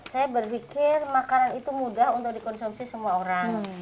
saya berpikir makanan itu mudah untuk dikonsumsi semua orang